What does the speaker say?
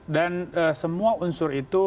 dan semua unsur itu